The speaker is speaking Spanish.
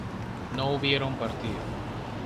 no hubieron partido